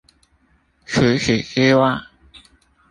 除此之外